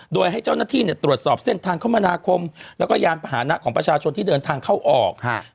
โดยให้เจ้าหน้าที่ตรวจสอบเส้นทางคมนาคมแล้วก็ยานพาหนะของประชาชนที่เดินทางเข้าออก